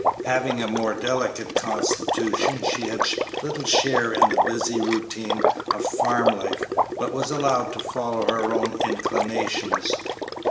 Having a more delicate constitution, she had little share in the busy routine of farm life, but was allowed to follow her own inclinations.